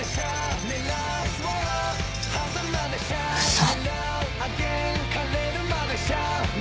嘘。